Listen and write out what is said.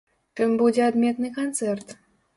Чым будзе адметны канцэрт?